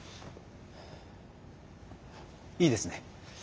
いいですね。